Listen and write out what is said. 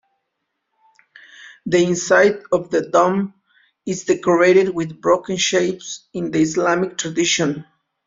The inside of the dome is decorated with broken shapes in the Islamic tradition.